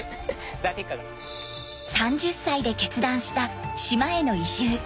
３０歳で決断した島への移住。